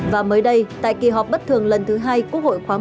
và mới đây tại kỳ họp bất thường lần thứ hai quốc hội khoáng một mươi năm